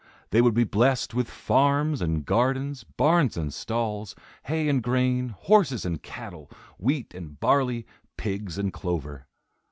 They would be blessed with farms and gardens, barns and stalls, hay and grain, horses and cattle, wheat and barley, pigs and clover.